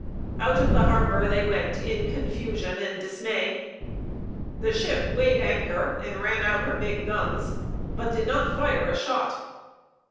Out of the harbor they went in confusion and dismay. The ship weighed anchor and ran out her big guns, but did not fire a shot.